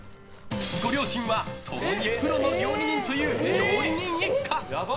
ご両親は共にプロの料理人という料理人一家。